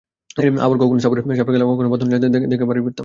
আবার কখনো সাপুড়ের সাপের খেলা, কখনো বাঁদর নাচ দেখে বাড়িতে ফিরতাম।